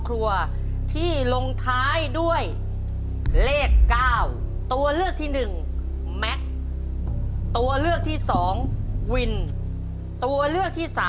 คือ